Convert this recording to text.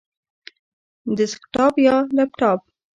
ډیسکټاپ یا لپټاپ؟